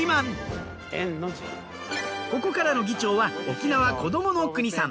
ここからの議長は沖縄こどもの国さん。